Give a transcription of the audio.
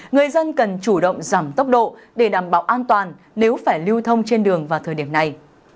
người dân cần chủ động giảm tốc độ để đảm bảo an toàn nếu phải lưu thông trên đường vào thời điểm này